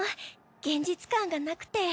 現実感がなくて。